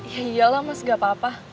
ya iya lah mas gak apa apa